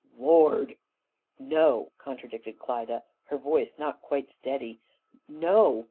Lord!" "No," contradicted Klyda, her voice not quite steady, "no!